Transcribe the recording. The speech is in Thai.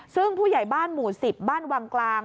ซึ่งผู้ใหญ่บ้านหมู่๑๐บ้านวังกลาง